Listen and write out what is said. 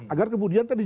agar kemudian tadi